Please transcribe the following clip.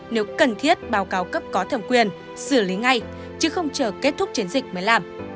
nếu cần thiết báo cáo cấp có thẩm quyền xử lý ngay chứ không chờ kết thúc chiến dịch mới làm